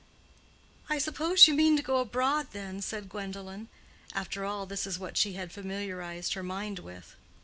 "I suppose you mean to go abroad, then?" said Gwendolen. After all, this is what she had familiarized her mind with.